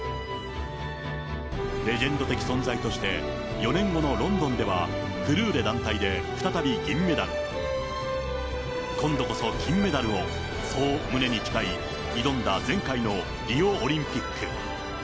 レジェンド的存在として、４年後のロンドンでは、フルーレ団体で再び銀メダル。今度こそ金メダルを、そう胸に誓い、挑んだ前回のリオオリンピック。